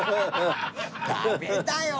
ダメだよな。